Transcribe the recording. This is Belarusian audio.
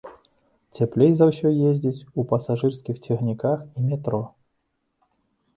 Цяплей за ўсё ездзіць у пасажырскіх цягніках і метро.